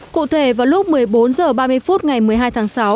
cụ thể vào lúc một mươi bốn h ba mươi phút ngày một mươi hai tháng sáu